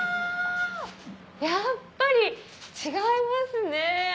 やっぱり違いますね。